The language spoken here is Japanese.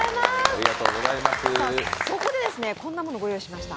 そこで、こんなものをご用意しました。